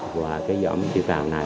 và cái giọng tiểu cào này